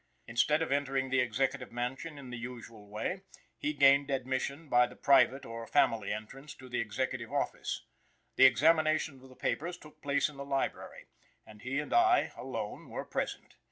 Instead of entering the Executive Mansion in the usual way, he gained admission by the private or family entrance to the Executive office. The examination of the papers took place in the library, and he and I alone were present.